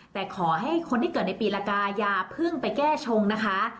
แต่ขอให้คนที่เกิดในปีละกาอย่าเพิ่งไปแก้ชงนะคะ